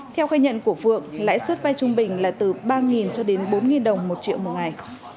theo khai nhận của phượng lãi suất vai trung bình là từ ba cho đến bốn đồng một triệu một ngày